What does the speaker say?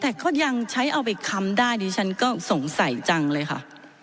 แต่ก็ยังใช้เอาไปค้ำได้ดิฉันก็สงสัยจังเลยค่ะ